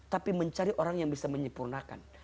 tapi mencari orang yang bisa menyempurnakan